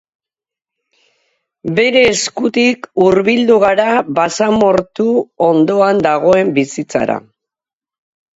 Bere eskutik hurbildu gara basamortu ondoan dagoen bizitzara.